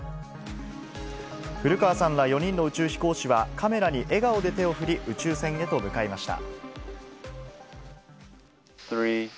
古川さんら４人の宇宙飛行士はカメラに笑顔で手を振り、宇宙船へと向かいました。